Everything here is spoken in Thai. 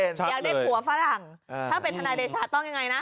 อยากได้ผัวฝรั่งถ้าเป็นทนายเดชาต้องยังไงนะ